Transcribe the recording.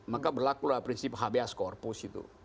maka berlaku prinsip hbs corpus